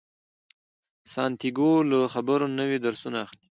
سانتیاګو له خبرو نوي درسونه اخلي.